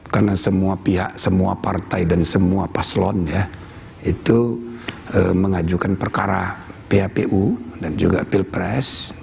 karena semua pihak semua partai dan semua paslon ya itu mengajukan perkara phpu dan juga pilpres